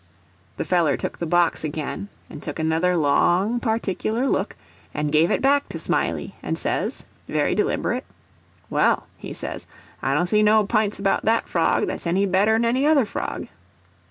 The feller took the box again, and took another long, particular look, and give it back to Smiley, and says, very deliberate, "Well," he says, "I don't see no p'ints about that frog that's any better'n any other frog."